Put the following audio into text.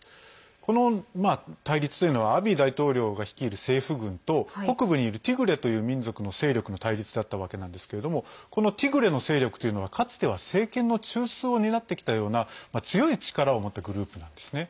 この対立というのはアビー大統領が率いる政府軍と北部にいるティグレという民族の勢力の対立だったわけなんですけれどもこのティグレの勢力というのはかつては政権の中枢を担ってきたような強い力を持ったグループなんですね。